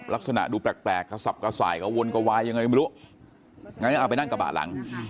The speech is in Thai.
ลักษณะดูแปลกกระสับกระส่ายกระวนกระวายยังไงไม่รู้งั้นก็เอาไปนั่งกระบะหลัง